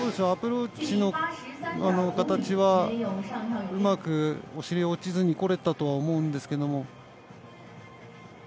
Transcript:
アプローチの形はうまくお尻、落ちずにこれたと思うんですけれども。